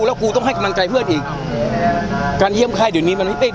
แล้วกูต้องให้กำลังใจเพื่อนอีกการเยี่ยมค่ายเดี๋ยวนี้มันไม่เต้น